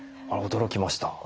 驚きました。